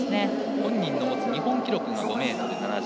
本人の日本記録が５ｍ７０。